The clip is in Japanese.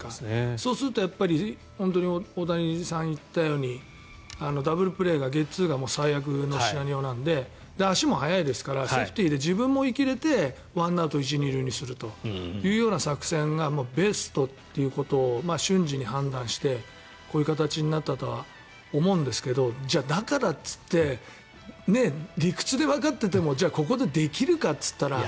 そうすると、大谷さんが言ったようにダブルプレー、ゲッツーが最悪のシナリオなので足も速いですからセーフティーで自分も生きれて１アウト１・２塁にするという作戦がベストと瞬時に判断してこういう形になったと思うんですがじゃあ、だからといって理屈でわかっていてもここでできるかというと。